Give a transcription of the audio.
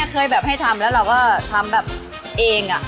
เคยแบบให้ทำแล้วเราก็ทำแบบเอง